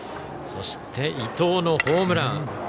そして、伊藤のホームラン。